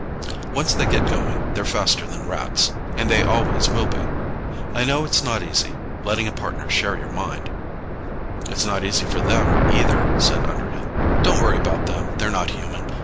Once they get going, they're faster than Rats. And they always will be. I know it's not easy, letting a Partner share your mind " "It's not easy for them, either," said Underhill. "Don't worry about them. They're not human.